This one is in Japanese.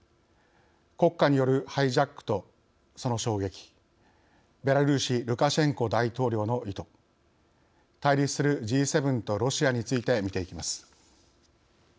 国家によるハイジャックとその衝撃ベラルーシルカシェンコ大統領の意図対立するＧ７とロシアについて見ていきます。